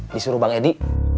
disuruh bang edi